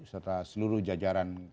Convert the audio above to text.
serta seluruh jajaran